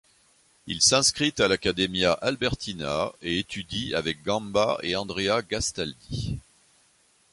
Il s'inscrit à l'Accademia Albertina et étudie avec Gamba et Andrea Gastaldi.